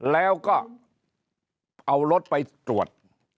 แล้วก็เอารถไปตรวจ